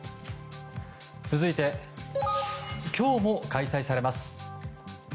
続いて今日も開催されます。